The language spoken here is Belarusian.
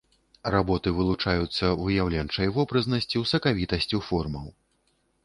Работы вылучаюцца выяўленчай вобразнасцю, сакавітасцю формаў.